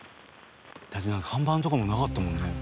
だって看板とかもなかったもんね。